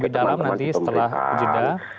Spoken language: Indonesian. bagaimana menurut anda pak